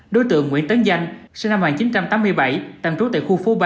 đối tượng nguyễn tấn danh sinh năm một nghìn chín trăm tám mươi bảy tạm trú tại khu phố ba